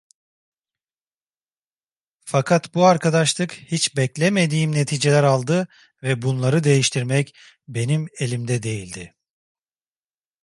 Fakat bu arkadaşlık hiç beklemediğim neticeler aldı ve bunları değiştirmek benim elimde değildi.